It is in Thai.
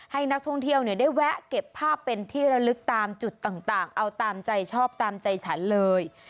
ให้นักท่องเที่ยวได้แวะเก็บภาพเป็นที่ระลึกตามจุดต่างเอาตามใจชอบตามใจฉันเลย